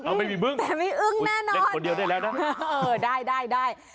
เออไม่มีเบิ้งโอ้ยเล่นคนเดียวได้แล้วนะโอ้ยได้